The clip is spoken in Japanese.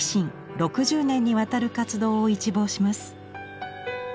６０年にわたる活動を一望します。